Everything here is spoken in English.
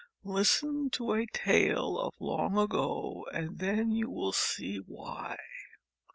Listen to a tale of long ago and then you will see why.